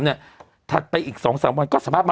สวัสดีครับคุณผู้ชม